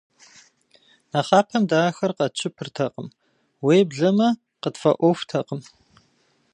Нэхъапэм дэ ахэр къэтщыпыртэкъым, уеблэмэ къытфӏэӏуэхутэкъым.